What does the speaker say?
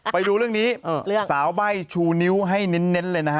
ไปดูเรื่องนี้สาวใบ้ชูนิ้วให้เน้นเลยนะฮะ